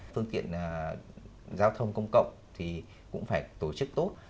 phương tiện giao thông công cộng thì cũng phải tổ chức tốt